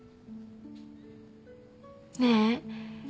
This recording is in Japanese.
ねえ。